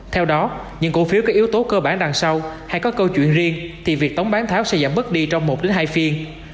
theo đó những cổ phiếu có yếu tố cơ bản đằng sau hay có câu chuyện riêng thì việc tống bán tháo sẽ giảm bớt đi trong một hai phiên